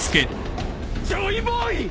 ジョイボーイ！？